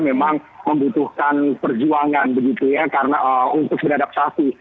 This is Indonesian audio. memang membutuhkan perjuangan untuk beradaptasi